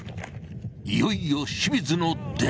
いよいよ清水の出番。